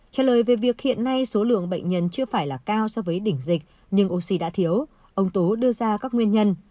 trả lời về việc hiện nay số lượng bệnh nhân chưa phải là cao so với đỉnh dịch nhưng oxy đã thiếu ông tố đưa ra các nguyên nhân